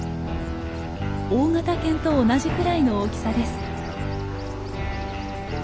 大型犬と同じくらいの大きさです。